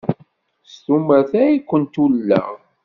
S tumert ay kent-ulleɣ.